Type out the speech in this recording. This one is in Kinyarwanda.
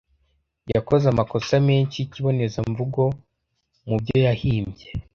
Yakoze amakosa menshi yikibonezamvugo mubyo yahimbye.